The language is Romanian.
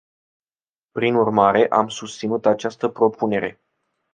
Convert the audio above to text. Prin urmare, am susținut această propunere.